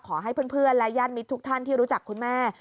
ขอให้เพื่อนและญาติมิตรทุกท่านที่รู้จักคุณแม่